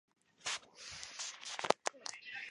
以上公交线路均由合肥公交集团开行。